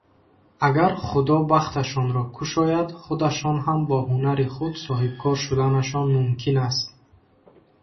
Агар худо бахташонро кушояд, худашон ҳам бо ҳунари худ соҳибкор шуданашон мумкин аст.